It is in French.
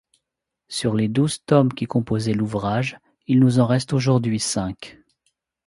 Sur les douze tomes qui composaient l'ouvrage, il nous en reste aujourd'hui cinq.